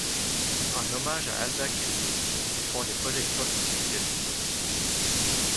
En hommage à Albert Camus, ils font des projections sur ses films.